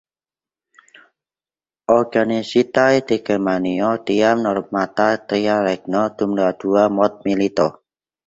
Organizitaj de Germanio tiam nomata Tria Regno dum la Dua Mondmilito.